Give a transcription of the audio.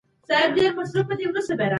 راتلونکی نسل به هم ستاسي زړورتيا ياد ساتي.